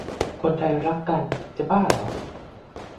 คนไทยรักกัน จะบ้าหรอ